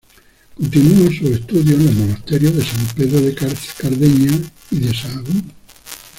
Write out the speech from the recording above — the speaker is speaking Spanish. Continuó sus estudios en los monasterios de San Pedro de Cardeña y de Sahagún.